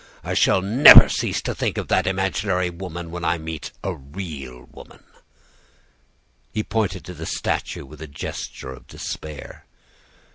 I shall never cease to think of that imaginary woman when I see a real woman.' "He pointed to the statue with a gesture of despair.